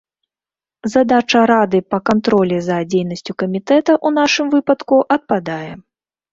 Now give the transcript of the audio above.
Задача рады па кантролі за дзейнасцю камітэта ў нашым выпадку адпадае.